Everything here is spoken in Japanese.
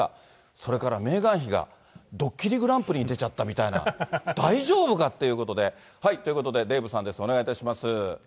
それからメーガン妃が、ドッキリグランプリに出ちゃったみたいな、大丈夫かということで。ということでデーブさんです、お願いいたします。